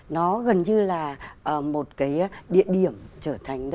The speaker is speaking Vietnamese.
nó gần như là một cái địa điểm trở thành